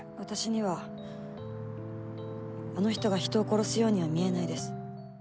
「私にはあの人が人を殺すようには見えないです」